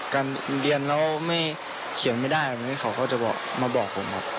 การเรียนแล้วเขียนไม่ได้เขาก็จะมาบอกผมครับ